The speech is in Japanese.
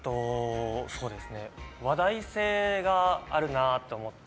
話題性があるなと思って。